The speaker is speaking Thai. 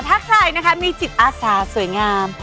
ถ้าใครนะคะมีจิตอาสาสวยงาม